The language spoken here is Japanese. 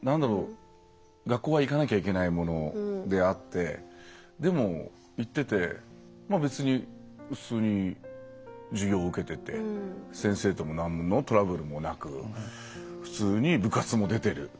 学校は行かなきゃいけないものであってでも、行ってて別に普通に授業を受けてて先生ともなんのトラブルもなく普通に部活も出てる。